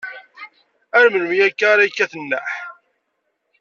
Ar melmi akka ara yekkat nneḥ?